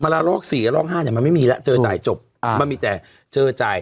๔แล้วลอบ๕มันไม่มีแล้วเจอจ่ายจบมันมีแต่เจอจ่าย